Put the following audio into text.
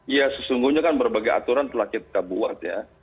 ya sesungguhnya kan berbagai aturan telah kita buat ya